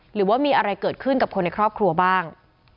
หรือว่ามีอะไรเกิดขึ้นกับคนในครอบครัวบ้าง